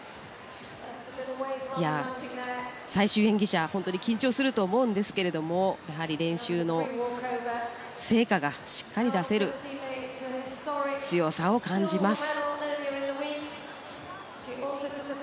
最終演技者は本当に緊張すると思うんですけれどもやはり練習の成果がしっかり出せる強さを感じます。